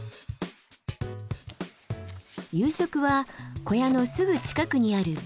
夕食は小屋のすぐ近くにあるベンチで。